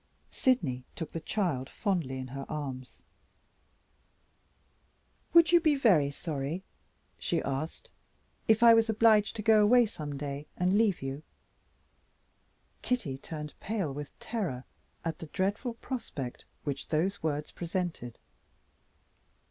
Sydney took the child fondly in her arms. "Would you be very sorry," she asked, "if I was obliged to go away, some day, and leave you?" Kitty turned pale with terror at the dreadful prospect which those words presented.